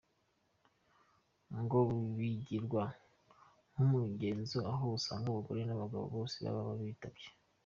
Ngo bigirwa nk'umugenzo aho usanga abagore n'abagabo bose baba bitavye.